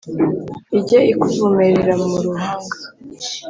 ijye ikuvumerera mu ruhanga,